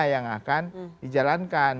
yang akan dijalankan